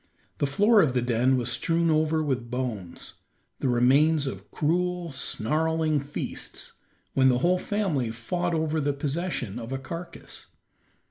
The floor of the den was strewn over with bones, the remains of cruel, snarling feasts, when the whole family fought over the possession of a carcass.